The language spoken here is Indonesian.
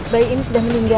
bayi ini sudah meninggal